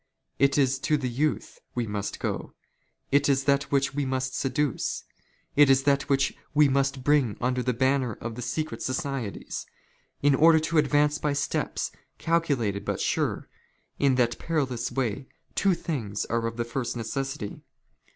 It is to the youth we must go. It is that which we " must seduce ; it is that which we must bring under the banner " of the secret societies. In order to advance by steps, calculated " but sure, in that perilous way, two things are of the first " necessity.